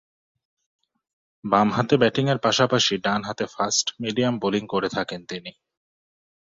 বামহাতে ব্যাটিংয়ের পাশাপাশি ডানহাতে ফাস্ট মিডিয়াম বোলিং করে থাকেন তিনি।